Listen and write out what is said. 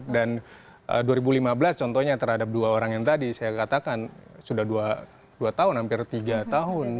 dan dua ribu lima belas contohnya terhadap dua orang yang tadi saya katakan sudah dua tahun hampir tiga tahun